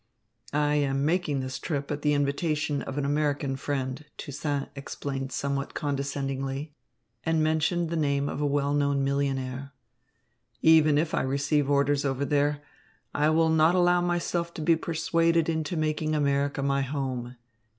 "I am making this trip at the invitation of an American friend," Toussaint explained somewhat condescendingly, and mentioned the name of a well known millionaire. "Even if I receive orders over there, I will not allow myself to be persuaded into making America my home.